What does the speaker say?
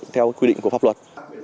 theo quy định của pháp luật